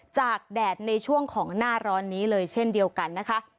แดดในช่วงของหน้าร้อนนี้เลยเช่นเดียวกันนะคะ